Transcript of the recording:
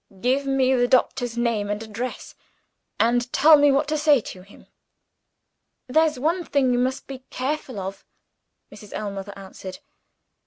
Give me the doctor's name and address and tell me what to say to him." "There's one thing you must be careful of," Mrs. Ellmother answered.